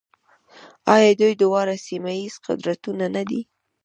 آیا دوی دواړه سیمه ییز قدرتونه نه دي؟